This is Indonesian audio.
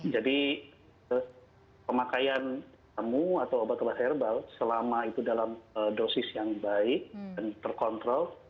jadi pemakaian jamu atau obat obat herbal selama itu dalam dosis yang baik dan terkontrol